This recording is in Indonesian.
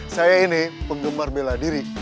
saya ini penggemar bela diri